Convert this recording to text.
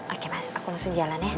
oke mas aku langsung jalan ya